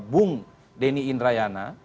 bung denny indrayana